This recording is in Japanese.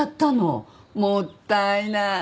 もったいない。